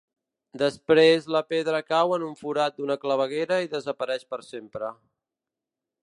Després la pedra cau en el forat d'una claveguera i desapareix per sempre.